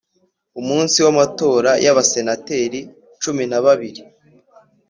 Umunsi w amatora y Abasenateri cumi na babiri